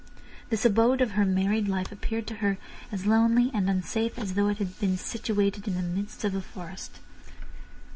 This abode of her married life appeared to her as lonely and unsafe as though it had been situated in the midst of a forest.